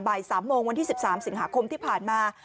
๓โมงวันที่๑๓สิงหาคมที่ผ่านมา